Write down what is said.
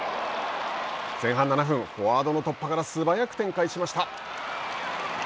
前半７分、フォワードの突破から素早く展開しました。